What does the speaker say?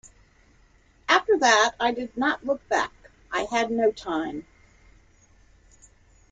After that I did not look back; I had no time.